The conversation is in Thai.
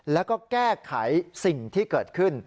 และแก้ไขที่เกิดขึ้น